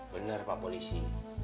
benar pak polisi